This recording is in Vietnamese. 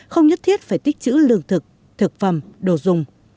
không nhất thiết phải tích chữ lương thực thực phẩm đồ dùng